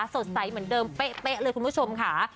สดใสเหมือนเดิมเป๊ะเลยคุณผู้ชมค่ะ